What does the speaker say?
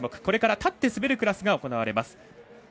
これから立って滑るクラスが行われます。